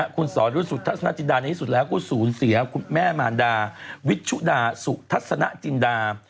คุณสรยุทธนาจินดาในที่สุดแล้วก็ศูนย์เสียคุณแม่มารดาวิชุดาสุทัศนจินดา